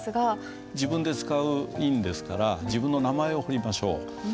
自分で使う印ですから自分の名前を彫りましょう。